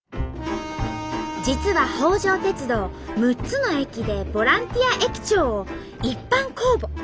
実は北条鉄道６つの駅でボランティア駅長を一般公募。